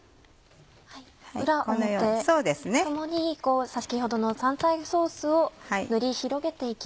裏表共に先ほどの香菜ソースを塗り広げて行きます。